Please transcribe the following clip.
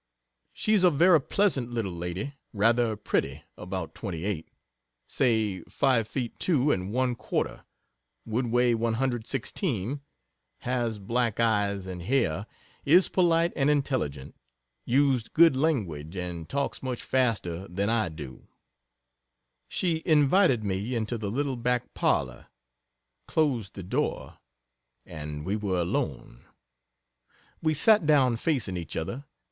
She's a very pleasant little lady rather pretty about 28, say 5 feet 2 and one quarter would weigh 116 has black eyes and hair is polite and intelligent used good language, and talks much faster than I do. She invited me into the little back parlor, closed the door; and we were alone. We sat down facing each other.